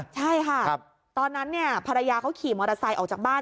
ใช่ค่ะตอนนั้นภรรยาเขาขี่มอเตอร์ไซค์ออกจากบ้าน